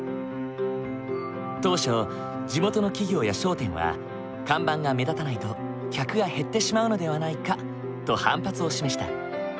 当初地元の企業や商店は看板が目立たないと客が減ってしまうのではないかと反発を示した。